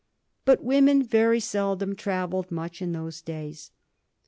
But women very seldom travelled much in those days.